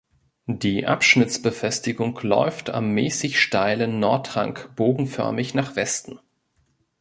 Die Abschnittsbefestigung läuft am mäßig steilen Nordhang bogenförmig nach Westen.